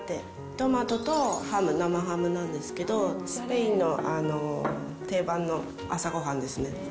トマトとハム、生ハムなんですけど、スペインの定番の朝ごはんですね。